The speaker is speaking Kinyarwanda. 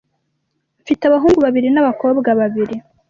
Mfite abahungu babiri n'abakobwa babiri .